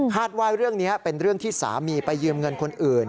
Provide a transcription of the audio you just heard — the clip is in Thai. ว่าเรื่องนี้เป็นเรื่องที่สามีไปยืมเงินคนอื่น